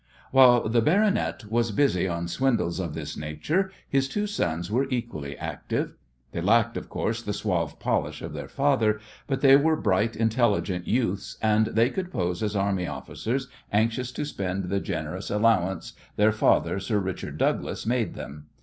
While the "baronet" was busy on swindles of this nature his two sons were equally active. They lacked, of course, the suave polish of their father, but they were bright, intelligent youths, and they could pose as army officers anxious to spend the generous allowance their father, "Sir Richard Douglas," made them.